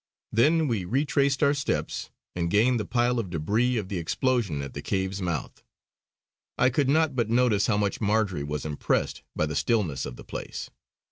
Then we retraced our steps and gained the pile of debris of the explosion at the cave's mouth. I could not but notice how much Marjory was impressed by the stillness of the place.